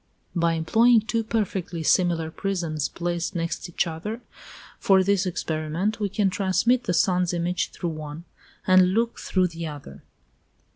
By employing two perfectly similar prisms placed next each other, for this experiment, we can transmit the sun's image through one, and look through the other.